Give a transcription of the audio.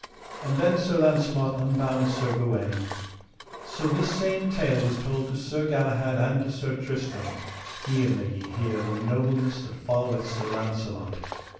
And then Sir Launcelot unbound Sir Gawaine. So this same tale was told to Sir Galahad and to Sir Tristram:—here may ye hear the nobleness that followeth Sir Launcelot.